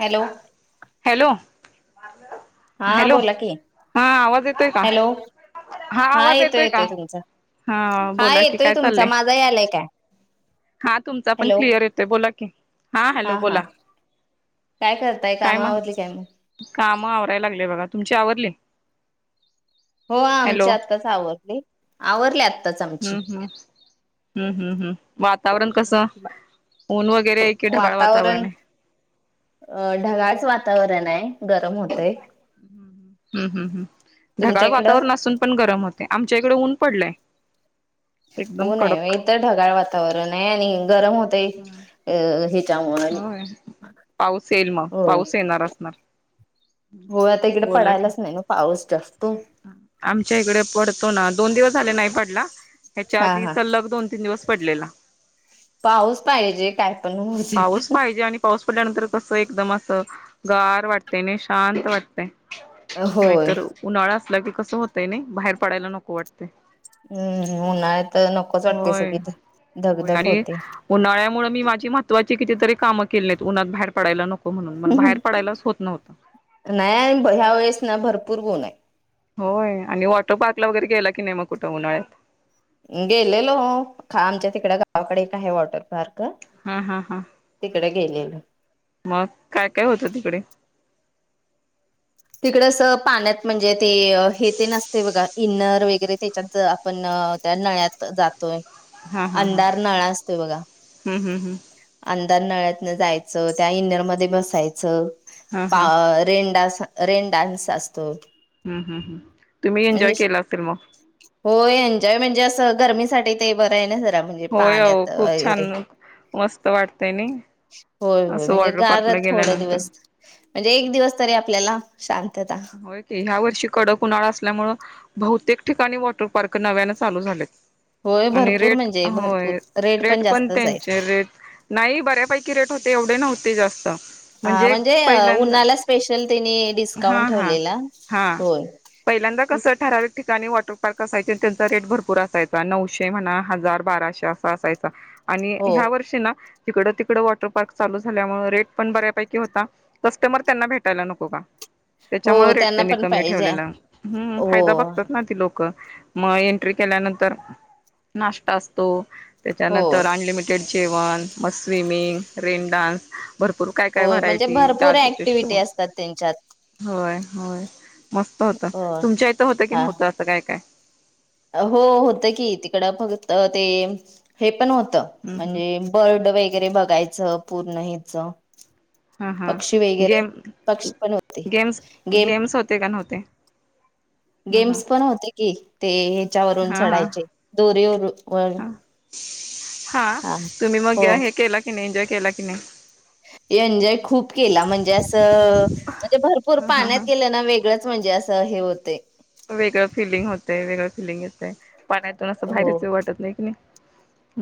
Hello hello हा hello बोला की हा आवाज येतोय का? हॅलो हा आवाज येतोय का हा हा बोला कि येतोय काय तुमचा चाललंय. माझा यालाय काय हा तुमचा पण हॅलो क्लिअर येतोय बोला की हा हॅलो बोला. काय करताय काय काम म्हण आवरली काय मग काम आवरायला लागलेय बघा तुमची आवरली. हो हॅलो आमची आत्ताच आवरली आवरले आत्ताच आमची हम. हम् हम्म हम् वातावरण कसं ऊन वगैर वातावरण अ ढगाळच वातावरण आहे. गरम होतय हम् हम् हम् तुमच्या ढगाळ इकडं वातावरण असून पण गरम होत. ते आमच्या इकडे ऊन पडलंय. एकदम उन्ह आहे होय कडक इथ ढगाळ वातावरण आहे आणि गरम होत. हा अ हि काम होय पाऊस येईल मग होय पाऊस येणार असणार. हो आता इकडे बोला की पडायलाच नाही ना पाऊस जास्त. आमच्या इकडे पडतो ना दोन दिवस झाले नाही पडला. ह्याच्या हा आधी हा सलग दोन तीन दिवस पडलेला. पाऊस पाहिजे काय पण हो. पाऊस पाहिजे आणि पाऊस पडल्यानंतर कसं एकदम असं गार वाटतय आणि शांत वाटतय. होय नाहीतर उन्हाळा असला की कस होतय नाही बाहेर पडायला नको वाटत. हम्म उन्हाळ तर नकोच वाटते होय सगळी होय धगधग आणि होते. उन्हाळ्यामुळे मी माझी महत्वाची कितीतरी कामं केली नाहीत उन्हात बाहेर पडयला नको. म्हणून मग बाहेर पडायलाच होत नव्हतं नाही ह्या वेळेस ना भरपूर उन्ह आहे. होय आणि वॉटर पार्क ला वगैरे गेला की नाही मग कुठं उन्हाळ्यात. गेलेलो आमच्या तिकड गावाकडे एक आहे वॉटर पार्क. हा हा हा तिकडे गेलेलो. मग काय काय होतं तिकडे तिकड अस पाण्यात म्हणजे ते हे ते असतय बघा. इनर वगैरे त्याच्यात आपण त्या नळ्यात जातोय. हा हा हा अंधार नळा असतोय बघा. हम्म हम्म हम्म अंधार नळ्यातन जायचं त्या इनरमध्ये बसायचं हा हा रेन डान्स रेन डान्स असतो. हम् हम् हम तुम्ही एन्जॉय केला असेल मग होय एन्जॉय म्हणजे असं गरमीसाठी ते बरं आहे ना जरा म्हणजे होय अहो पाण्यात खूप वगैरे छान मस्त वाटतय नाही होय होय असं म्हणजे वॉटर गार पार्कला थोडे गेल्यानंतर दिवस. म्हणजे एक दिवस तरी आपल्याला शांतता. हो की ह्या वर्षी कडक उन्हाळा असल्यामूळ बहुतेक ठिकाणी वॉटर पार्क नव्यानं चालू झालेत. होय आणि भरपूर रेट म्हणजे भरपूर होय रेट पण जास्तच आहेत. त्यांचे रेट. नाही बऱ्यापैकी रेट होते एवढे नव्हते जास्त हा म्हणजे उन्हाला स्पेशल त्यानी हा डिस्काउंट हा ठेवलेला हा होय. पहिल्यांदा कसं ठराविक ठिकाणी वॉटर पार्क असायचे त्यांचा रेट भरपूर असायचा नऊशे म्हणा हजार बाराशे अस. असायचा आणि हो ह्या वर्षी ना तिकडं तिकडं वॉटर पार्क चालू झाल्यामुळ रेट पण बऱ्यापैकी होता. कस्टमर त्यांना भेटायला नको का? हो त्याच्यामुळे रेट त्यांना त्यांनी पण कमी पाहिजे ठेवलेला ह् फायदा हो. बघतात ना ते लोक मग एट्री केल्यानंतर नाष्टा असतो हो त्याच्यानंतर अनलिमिटेड अनलिमिटेड जेवण मग स्विमिंग रेन डान्स. भरपूर काय काय होय म्हणजे व्हरायटी भरपूर जादूचे शो [inaudible] होय होय मस्त होत हो तुमच्या इथं होतं की हा. नव्हतं अस काय काय? हो होत की तिकड फक्त ते हे पण होत हम्म हम्म म्हणजे बर्ड वगैरे बघायचं पूर्ण हेच. हा हा पक्षी वगैरे गेम पक्षी पण होते गेम्स गेम. गेम्स होते का नव्हते. ह हा गेम्स पण होते की, ते ह्याच्यावरून हा हा चढायचे, दोरीवर वर हा हा, तुम्ही मग हो हे केला की नाही, एन्जॉय केला की नाही? एन्जॉय खूप केला, म्हणजे असं, म्हणजे भरपूर ह हा पाण्यात हा गेलं ना वेगळं म्हणजे असं हे होत वेगळं फिलिंग होतय, वेगळं फिलिंग येतंय, पाण्यात त्यातून अस हो बाहेरच येऊच वाटत नाही कणी,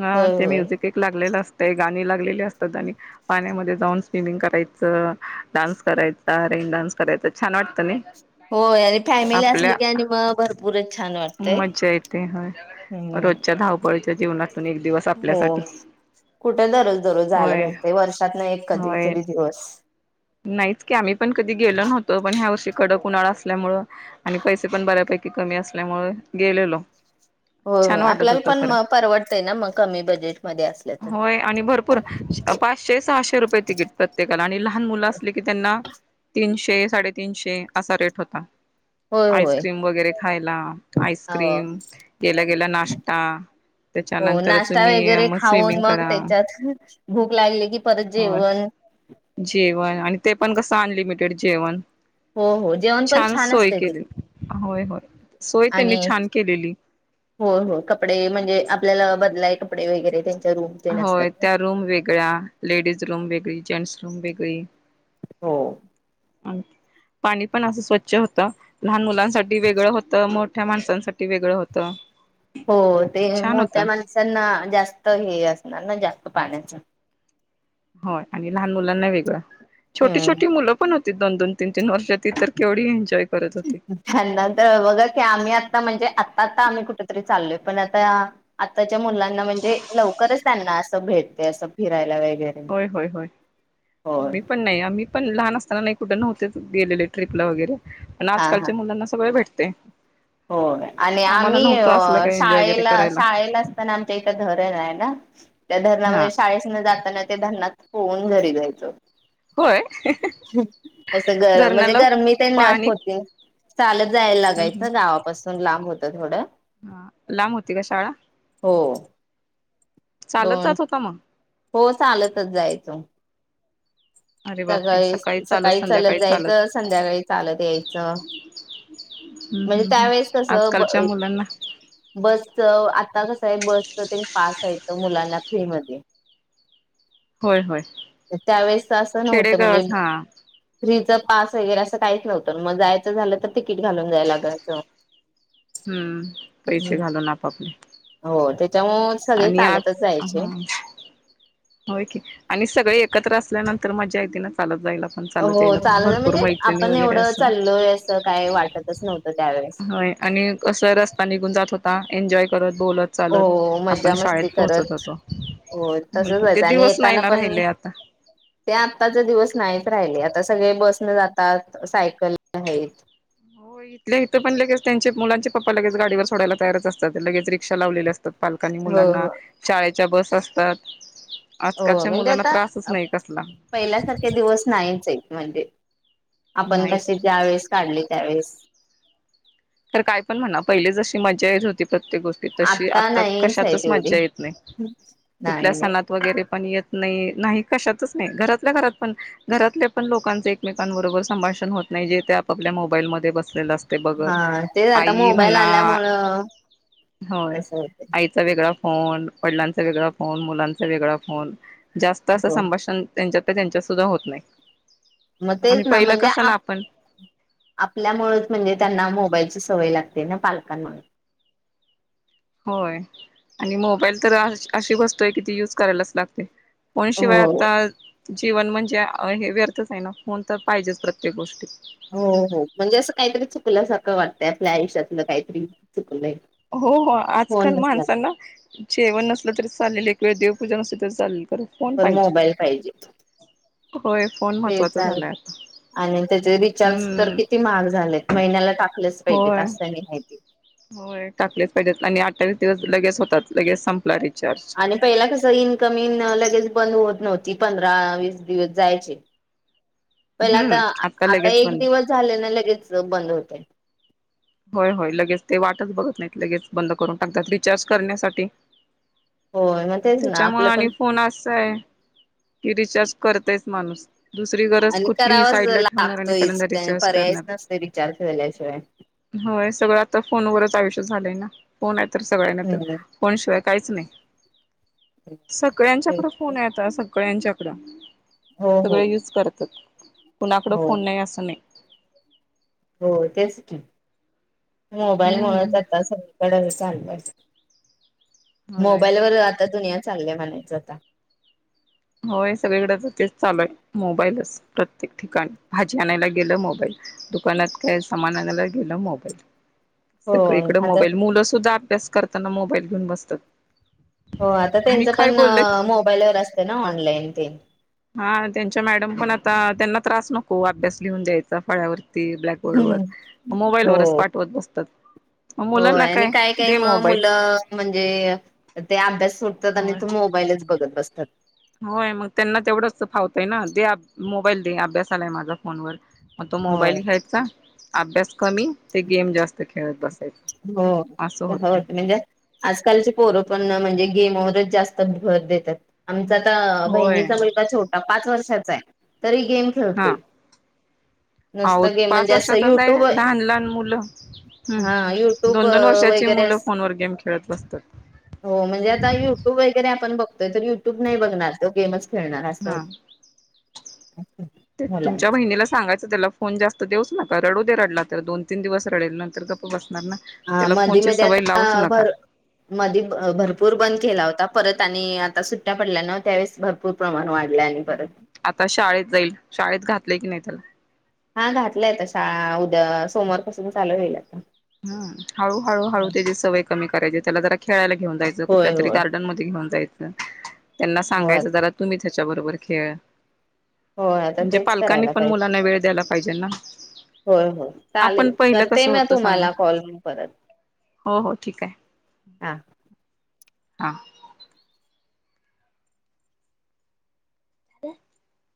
हा, होय ते होय म्युझिक एक लागलेल असतय, गाणी लागलेले असतात, आणि पाण्यामध्ये जाऊन स्विमिंग करायचं, डान्स करायचा, रेन डान्स करायचा, छान वाटतय नई होय, आणि फॅमिली असली की आणि मग, भरपूरच छान वाटत मज्जा येते, होय, रोजच्या धावपळीच्या जीवनातून एक दिवस आपल्यासाठी. कुठं दरोज दरोज जायला होय भेटतय, वर्षातन एक होय. कधीतरी दिवस. नाहीच की, आम्ही पण कधी गेलो नव्हतो पण ह्यावर्षी कडक उन्हाळा असल्यामुळे, आणि पैसे पण बऱ्यापैकी कमी असे आसल्यामुळे गेलेलो होय छान होय, वाटत आपल्याला होतं पण खरं. म परवडतय ना मग, कमी बजेटमध्ये असल तर होय आणि भरपूर पाचशे सहाशे रुपये तिकीट प्रत्येकाला, आणि लहान मुलं असले की त्यांना तीनशे साडेतीनशे असा रेट होता, होय होय आईस्क्रीम वगैरे खायला हो आईस्क्रीम, गेल्या गेल्या नाश्ता हो, त्याच्यानंतर नाश्ता तुम्ही वगैरे मग खाऊन स्विमिंग मग करा. त्याच्यात भूक लागली की परत हो जेवण जेवण, आणि ते पण कसं अनलिमिटेड जेवण हो हो जेवण पण छान सोय असतय ते केलेली, होय होय, सोय त्यांनी आणि छान केलेली होय होय, कपडे म्हणजे आपल्याला बदलाय कपडे वगैरे, त्यांच्या रूम तेन असतात होय, ना त्या रूम वेगळ्या, लेडीज रूम वेगळी, जेंट्स रूम वेगळी हो पाणी पण असं स्वच्छ होतं, लहान मुलांसाठी वेगळं होतं, मोठ्या माणसांसाठी वेगळं होतं. हो, ते छान होतं मोठ्या माणसांना जास्त हे असणार ना, जास्त पाण्याच हो, आणि लहान मुलांना वेगळं, छोटी हम्म छोटी मुलं पण हो दोन-दोन, तीन-तीन वर्षाची, ती तर केवढी एन्जॉय करत होती त्यांना तर बघा की, आम्ही आता म्हणजे आता आता, आम्ही कुठं तरी चालोय, पण आता आत्ताच्या मुलांना म्हणजे, लवकरच त्यांना असं भेटतय, असं फिरायला वैगरे होय होय होय, मी पण नाही, आम्ही पण लहान असताना नाही, कुठे नव्हते गेलेले ट्रीपला वगैरे, पण हा हा आजकालच्या मुलांना सगळं भेटतय. होय, आणि आम्ही असलं काही एन्जॉय वगैरे शाळेला, करायला शाळेला आमच्या इथं धरण आहे ना, त्या हा धरणा जाताना ते धारनात पोहून घरी जायचो. होय असं गरम म्हणजे, धरणाला गरमी तेन पाणी होती चालत जायला हम्म लगायचं, हम्म गावापासून लांब होत थोडं लांब होती का शाळा? हो चालत दोन जात होता मग? हो चालतच जायचो. सकाळी सकाळी चालत जायचं, संध्याकाळी चालत यायचं. हम्म म्हणजे हम्म हम्म त्यावेेळेस कसं ब आजकालच्या मुलांना बसच आता कसं आहे, बसच ते पास हायत ग मुलांना फ्री मध्ये होय होय त्यावेेळेसच असं नव्हतं, म्हणजे खेडेगावात हा फ्रीच पास वगैरे असं काहीच नव्हतं, मग जायचं झालं तर तिकीट घालून जायला लागायचं. हम्म! पैसे घालून आपआपले. हो, त्याच्यामुळे सगळे चालतच आज जायचे. हा होय कि, आणि सगळे एकत्र असल्यानंतर माज्या येते ना चालत जायला. पण हो चालत यायला पण चालत भरपूर म्हणजे मैत्रिणी आपण वगैरे एवढं असं चाललोय असं काय वाटतच नव्हतं त्यावेेळेस होय आणि असं रस्ता निघून जात होता एन्जॉय करत बोलत हो चालत मजा आपण शाळेत मस्ती पोहोचत करत होतो हो होय की, तसंच ते आणि दिवस नाही येताना ना पण राहिले आता ते आत्ताचे दिवस नाहीच राहिले आता सगळे बसन जातात सायकल आहेत. हो इथल्या इथं पण लगे त्यांचे मुलांचे पप्पा लगे गाडीवर सोडायला तैयार असतात लगेच रिक्षा लावले असते. पालकांनी हो मुलांना हो शाळेच्या बस असतात. हो आजकालच्या म्हणजे मुलांना आता त्रासच नाही कसला पहिल्यासारखे दिवस नाहीच आहे. म्हणजे आपण नाही कसे यावेेळेस काढले त्यावेळेस तर काय पण म्हणा पहिलेच जशी मजा येच होती प्रत्येक गोष्टी- तशी आता नाहीच आहे कशातच तेवढी मज्जा येत नाही कुठल्या नाही नाही सणात- वगैरे पण येत नाही नाही कशातच नाही घरात ना घरात पण, घरातल्या पण लोकांच एकमेकांबरोबर संभाषण होत नाही जे ते आपपल्या मोबाईलमध्ये बसलेलं असते ब- हा तेच आता मोबाईल आल्यामुळं होय तस होते. आईचा वेगळा फोन वडिलांचा वेगळा फोन मुलांचा वेगळा फोन जास्त असं हो संभाषण त्यांच्यात त्यांच्यात सुद्धा होत नाही. मग आणि तेच ना पहिलं म्हणजे कसं ना आप- आपण आपल्यामुळेच म्हणजे त्यांना मोबाईलची सवय लागते ना पालकांमुळे. होय आणि मोबाईल तर अशी वस्तू आहे की ती यूज करायलाच लागते. पण शिवाय हो आता जीवन म्हणजे हे व्यर्थच आहे ना होन तर पाहिजेच प्रत्येक गोष्टीत. हो हो म्हणजे असं काहीतरी चुकल्यासारखं वाटतंय आपल्या आयुष्यातलं काहीतरी चुकलंय. हो हो फोन आजकाल नसला तर माणसांना जेवण नसलं तरी चालेल एक वेळ देवपूजा नसली तरी चालेल - पण मोबाईल पाहिजे. होय फोन- ते महत्वाचं चालेल. झालंय आता. आणि त्याचे रिचार्ज तर हम्म किती महाग झालेत महिन्याला टाकलेच पाहिजेत त असं आहे. हो टाकलेच पाहिजेत आणि अठ्ठवीस दिवस लगेच होतात लगेच संपला रिचार्ज. आणि पहिला कस इनकमिन लगेच बंद होत नव्हती पंधरा वीस दिवस जायचे. [unintelligible] पहिला आता आता लगेच एक बंद दिवस झाले ना लगेच बंद होते. होय होय लगेच ते वाटच बघत नाहीत लगेच बंद करून टाकतात रिचार्ज करण्यासाठी. होय मग तेच ना त्याच्यामुळे आपलं पण आणि फोन असा आहे कि रिचार्ज करतयच माणूस. दुसरी गरज आणि कुठलीही करावाच साईड ला ठेवणार आणि पहिल्यांदा रिचार्ज करणार. ते विचारत झाल्या सय [inaudible] होय सगळं आता फोनवरच आयुष्य झालंय ना फोन आहे तर सगळ्यांना तर हम्म फोन शिवाय काहीच नाही तेच. सगळ्यांच्याकडे फोन आहे आता - सळ्यांच्याकडं हो हो सगळे यूज करतात कुणाकडं हो फोन नाही असं नाही. हो तेच की मोबाईलमुळेच हम्म आता सगळीकडे चालहि- होय मोबाईल वर आता दुनिया चालल्या म्हणायचं आता- होय सगळीकडे तर तेच चालू आहे मोबाईलच प्रत्येक ठिकाणी भाजी आणायला गेलं मोबाईल- दुकानात काय सामान आणायला गेलं मोबाईल हो सगळ इकड आता मोबाईल मुलं सुद्धा अभ्यास करताना मोबाईल घेऊन बसतात. हो आता आणि त्यांचं काय पण बोललं मोबाईलवर असते ना ऑनलाईन ते हा त्यांच्या मॅडम पण आता त्यांना त्रास नको अभ्यास लिहून द्यायचा फळ्यावर ब्लॅकबोर्ड व मोबाईल वच पाठवत बसतात. मग होय मुलांना आणि काय काय दे मग मोबाईल मुलं म्हणजे. ते अभ्यास सोडतात आणि त मोबाईलच बघत बसतात. होय, मग त्यांना तेवढंच तर फावतय ना दे मोबाईल दे अभ्यास आलाय माझा फोनवर. मग तो हो मोबाईल घ्यायचा अभ्यास कमी ते गेम जास्त खेळत बसायचा. हो [unintelligible] आजकालचे पोरं पण म्हणजे गेमवरच जास्त भर देतात आमचा तर होय बहिणीचा मुलगा छोटा पाच वर्षाचा आहे तरी गेम खेळतोय. आहो नुसता गेम पाच म्हणजे असं वर्षाचाच आहे युट्यूब लहान लहान मुलं हम् हा युट्यूब दोन दोन वर्षाची मुलं वगैरे फोन वर गेम खेळत बसतात. हो म्हणजे आता युट्यूब वगैरे आपण बघतोय तर युट्यूब नाही बघणार तो गेमच खेळणार अस हो. हा ते तुमच्या बहिनीला सांगायचं त्याला फोन जास्त देऊच नका रडू दे रडला तर दोन तीन दिवस रडेल नंतर गप्प बसणार ना हा त्याला मध्ये फोनची मध्ये सवय आता लावूच नका भर मधी अह भरपूर बंद केला होता परत आणि आता सुट्ट्या पडल्यान त्यावेळेस भर पूर प्रमाण वाढलय आणि परत आता शाळेत जाईल. शाळेत घातलंय की नाही त्याला? हा घातलंय आता शाळा उद्या सोमवारपासून चालू होईल आता. हम्म हळू हळू हळू त्याची सवय कमी करायची त्याला जरा खेळायला घेऊन जायचं कुठल्या होय तरी होय. गार्ड गार्डन मध्ये घेऊन जायच त्यांना होय सांगायचं जरा तुम्ही त्याच्या बरोबर खेळ होय आता म्हणजे तेच पालकांनी करायला पण पाहिजे मुलांना वेळ द्यायला पाहिजे ना होय होय चालेल आपण पहिलं करते कसं ना होतं सांगा तुम्हाला कॉल मी परत हो हो ठीक आहे हा. हा. [inaudible]